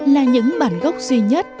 là những bản gốc duy nhất